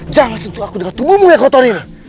jangan sentuh aku dengan tubuhmu yang kotor ini